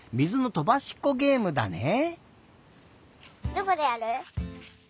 どこでやる？